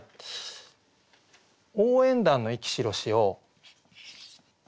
「応援団の息白し」を。